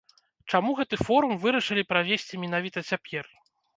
Чаму гэты форум вырашылі правесці менавіта цяпер?